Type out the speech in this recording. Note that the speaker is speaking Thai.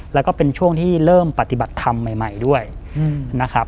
แล้วก็เป็นช่วงที่เริ่มปฏิบัติธรรมใหม่ด้วยนะครับ